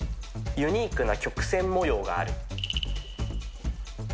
ユニークな曲線模様がある。